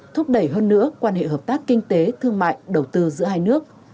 thúc đẩy hơn nữa quan hệ hợp tác kinh tế thương mại đầu tư giữa hai nước